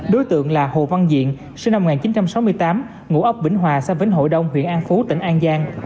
đối tượng là hồ văn diện sinh năm một nghìn chín trăm sáu mươi tám ngủ ốc vĩnh hòa sang vĩnh hội đông huyện an phú tỉnh an giang